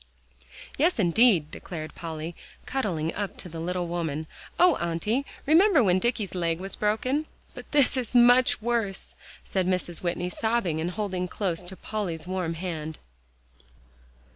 "Yes, indeed!" declared Polly, cuddling up to the little woman. "Oh, Auntie! remember when Dicky's leg was broken." "But this is much worse," said Mrs. Whitney, sobbing, and holding close to Polly's warm hand.